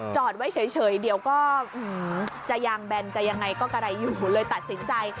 จอดไว้เฉยเดี๋ยวก็จะยางแบนจะยังไงก็กระไรอยู่เลยตัดสินใจ